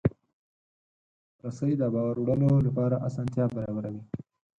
رسۍ د بار وړلو لپاره اسانتیا برابروي.